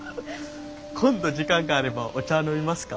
今度時間があればお茶飲みますか？